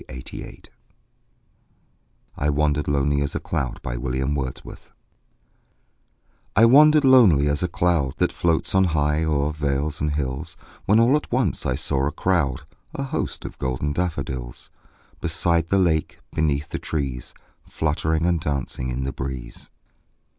William Wordsworth I Wandered Lonely As a Cloud I WANDERED lonely as a cloud That floats on high o'er vales and hills, When all at once I saw a crowd, A host, of golden daffodils; Beside the lake, beneath the trees, Fluttering and dancing in the breeze.